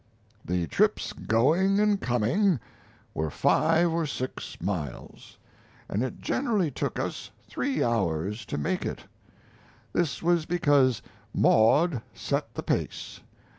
The trips going and coming were five or six miles, and it generally took us three hours to make it. This was because Maud set the pace.